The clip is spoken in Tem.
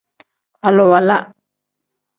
Aluwala.